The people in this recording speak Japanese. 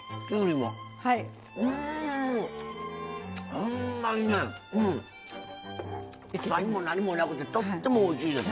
ほんまにね臭みも何もなくてとってもおいしいです。